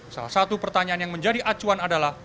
salah satu pertanyaan yang menjadi acuan adalah